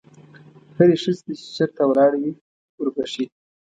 هرې ښځې ته چې چېرته ولاړه وي وربښې.